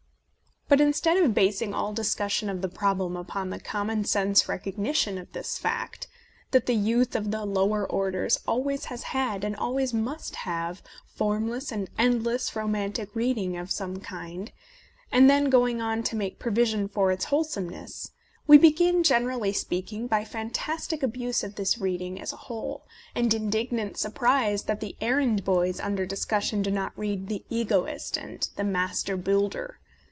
But instead of basing all discussion of the problem upon the common sense recogni tion of this fact — that the youth of the lower orders always has had and always must have formless and endless romantic reading of some kind, and then going on to make provision for its wholesomeness — we begin, generally speaking, by fantastic A Defence of Penny Dreadfuls abuse of this reading as a whole and indig nant surprise that the errand boys under discussion do not read "The Egoist," and " The Master Builder."